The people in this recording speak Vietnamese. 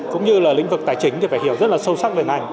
cũng như là lĩnh vực tài chính thì phải hiểu rất là sâu sắc về ngành